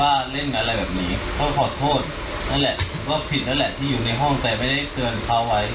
ว่าเล่นอะไรแบบนี้เขาขอโทษนั่นแหละก็ผิดนั่นแหละที่อยู่ในห้อง